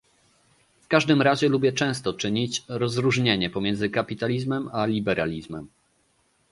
W każdym razie lubię często czynić rozróżnienie pomiędzy kapitalizmem a liberalizmem